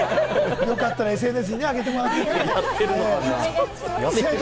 よかったらＳＮＳにあげていただいて。